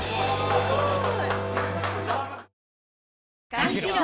すごい！